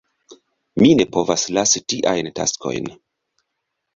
Mi ne povas lasi tiajn taskojn.